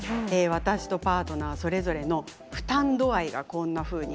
私とパートナーそれぞれの負担度合いがこんなふうに。